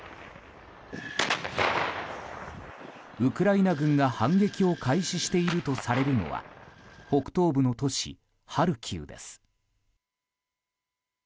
ウクライナ軍が反撃を開始しているとされるのは北東部の都市ハルキウです。